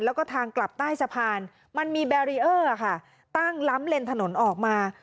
แล้วก็ทางกลับใต้สะพานมันมีค่ะตั้งล้ำเลนส์ถนนออกมา